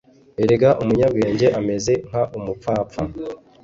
Erega umunyabwenge ameze nk umupfapfa